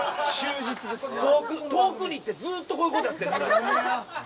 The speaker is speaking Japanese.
遠くに行ってずっとこういうことやってる。